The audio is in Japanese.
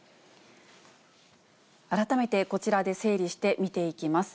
改めてこちらで整理して見ていきます。